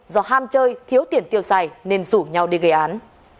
do ham chơi thiếu tiền tiêu xài nên rủ nhau đi gây án